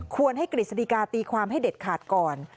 ให้กฤษฎิกาตีความให้เด็ดขาดก่อน